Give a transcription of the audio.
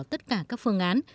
tất cả các phương án